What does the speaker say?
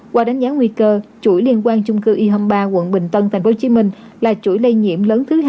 qua đánh giá nguy cơ chuỗi liên quan chung cư y hai mươi ba quận bình tân tp hcm là chuỗi lây nhiễm lớn thứ hai